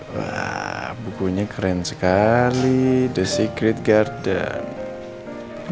wah bukunya keren sekali the secret garden